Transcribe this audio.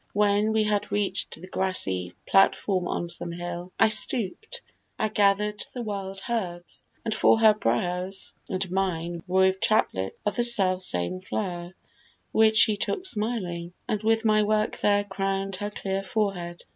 When we had reach'd The grassy platform on some hill, I stoop'd, I gather'd the wild herbs, and for her brows And mine wove chaplets of the self same flower, Which she took smiling, and with my work there Crown'd her clear forehead.